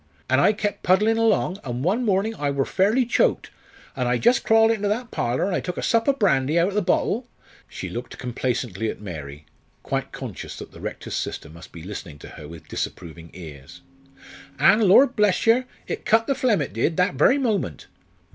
An' I kep' puddlin' along, an' one mornin' I wor fairly choked, an' I just crawled into that parlour, an' I took a sup o' brandy out o' the bottle" she looked complacently at Mary, quite conscious that the Rector's sister must be listening to her with disapproving ears "an', lor' bless yer, it cut the phlegm, it did, that very moment.